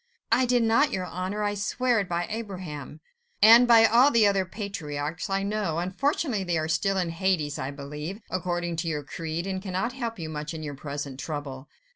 "I did not, your Honour; I swear it by Abraham ..." "And by all the other patriarchs, I know. Unfortunately, they are still in Hades, I believe, according to your creed, and cannot help you much in your present trouble.